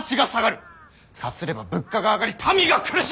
さすれば物価が上がり民が苦しむ。